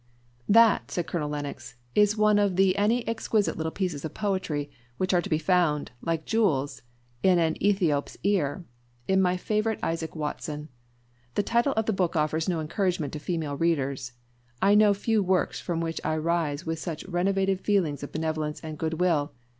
"That," said Colonel Lennox, "is one of the any exquisite little pieces of poetry which are to be found, like jewels in an Ethiop's ear, in my favourite Isaac Walton. The title of the book offers no encouragement to female readers, but I know few works from which I rise with such renovated feelings of benevolence and good will.